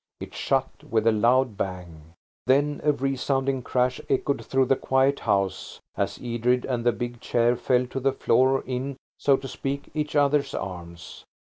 It shut with a loud bang. Then a resounding crash echoed through the quiet house as Edred and the big chair fell to the floor in, so to speak, each other's arms.